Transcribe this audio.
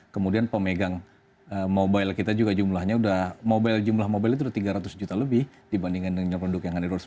kemudian pemegang mobile kita juga jumlahnya sudah tiga ratus juta lebih dibandingkan dengan penduduk yang ada di luar lima puluh juta